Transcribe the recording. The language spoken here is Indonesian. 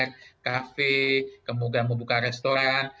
bagi usaha kuliner kafe kemungkinan membuka restoran